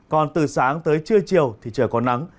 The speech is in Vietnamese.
còn từ sáng tới trưa chiều thì trời có nắng